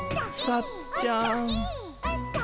さっちゃん。